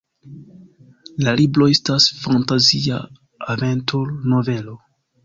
La libro estas fantazia aventur-novelo.